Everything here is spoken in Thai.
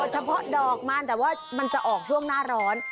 เฉพาะดอกมันแต่ว่ามันจะออกช่วงหน้าร้อน